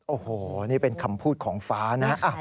โอ้โหนี่เป็นคำพูดของฟ้านะ